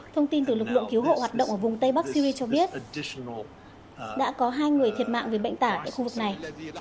thông tin từ lực lượng cứu hộ hoạt động ở vùng tây bắc syri cho biết đã có hai người thiệt mạng vì bệnh tả tại khu vực này